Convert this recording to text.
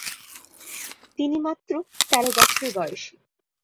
তিনি মাত্র তেরো বছর বয়সী।